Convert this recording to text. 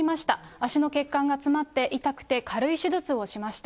足の血管が詰まって、痛くて軽い手術をしました。